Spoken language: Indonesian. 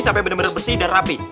sampai bener bener bersih dan rapi